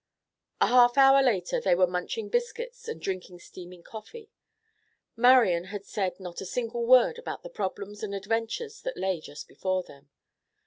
A half hour later they were munching biscuits and drinking steaming coffee. Marian had said not a single word about the problems and adventures that lay just before them.